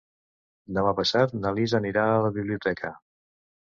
Demà passat na Lis anirà a la biblioteca.